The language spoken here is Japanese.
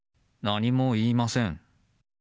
何も言いません。